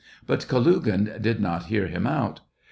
But Kalugin did not hear him out.